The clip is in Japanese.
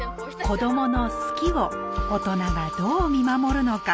子どもの「好き」を大人がどう見守るのか。